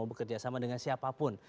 mau bekerja sama dengan siapapun